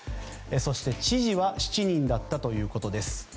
そして、知事は７人だったということです。